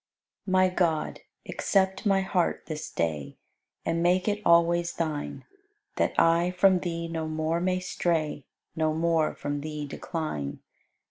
94. My God, accept my heart this day And make it always Thine, That I from Thee no more may stray, No more from Thee decline.